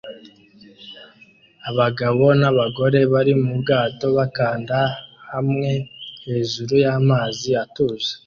Abagabo n'abagore bari mu bwato bakanda hamwe hejuru y'amazi atuje